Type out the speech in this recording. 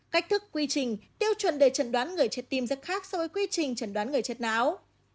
cách thức quy trình tiêu chuẩn để chẩn đoán người chết tim rất khác so với quy trình chẩn đoán người chết não